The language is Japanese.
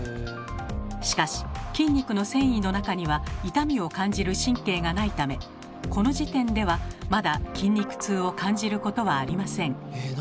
しかし筋肉の線維の中には痛みを感じる神経がないためこの時点ではまだ筋肉痛を感じることはありません。